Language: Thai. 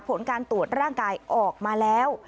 ผลการตรวจร่างกายออกมาแล้ว